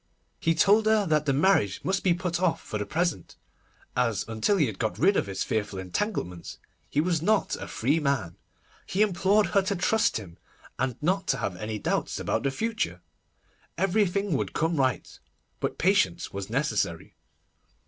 He told her that the marriage must be put off for the present, as until he had got rid of his fearful entanglements, he was not a free man. He implored her to trust him, and not to have any doubts about the future. Everything would come right, but patience was necessary.